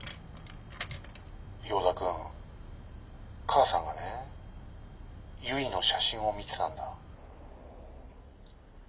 「ヨーダ君母さんがねゆいの写真を見てたんだ」。